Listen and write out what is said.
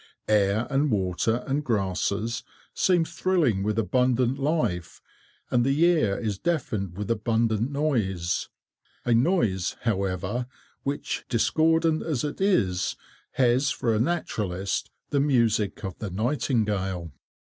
Air and water and grasses seem thrilling with abundant life, and the ear is deafened with abundant noise; a noise, however, which, discordant as it is, has for a naturalist the music of the nightingale.